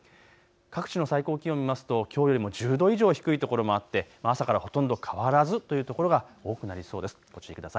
各地の最高気温見ますときょうよりも１０度以上低いところもあって朝からほとんど変わらずというところが多くなりそうです。